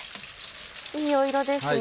いい色ですね。